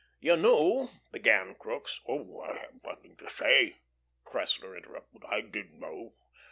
"You knew " began Crookes. "Oh, I have nothing to say," Cressler interrupted. "I did know.